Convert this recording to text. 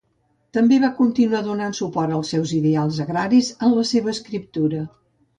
També va continuar donant suport als seus ideals agraris en la seva escriptura.